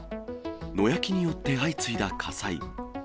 野焼きによって相次いだ火災。